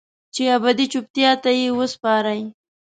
چې ابدي چوپتیا ته یې وسپارئ